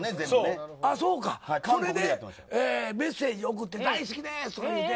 それでメッセージ送って大好きですって言うて。